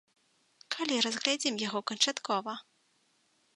Калі разгледзім яго канчаткова!